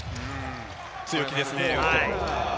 強気ですね。